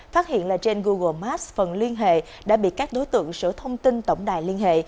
phát hiện là trên google maps phần liên hệ đã bị các đối tượng sửa thông tin tổng đài liên hệ